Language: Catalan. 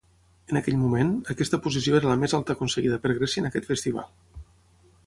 En aquell moment, aquesta posició era la més alta aconseguida per Grècia en aquest Festival.